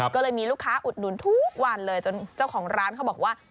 ก็เลยมีลูกค้าอุดหนุนทุกวันเลยจนเจ้าของร้านเขาบอกว่า